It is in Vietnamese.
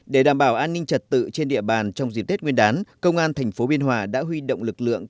để đảm bảo an ninh trật tự trên địa bàn trong dịp tết nguyên đán công an tp biên hòa đã huy động lực lượng